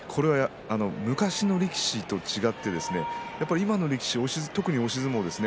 昔の力士と違って今の力士は特に押し相撲ですね